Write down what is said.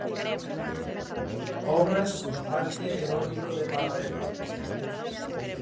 Obras do parque eólico de Paradela.